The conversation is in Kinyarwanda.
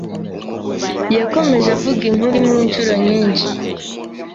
Yakomeje avuga inkuru imwe inshuro nyinshi.